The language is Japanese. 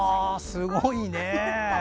すごいね。